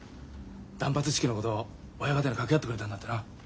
断髪式のこと親方に掛け合ってくれたんだってな。